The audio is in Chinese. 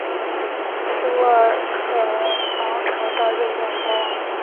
斯渥克尔王朝的瑞典国王。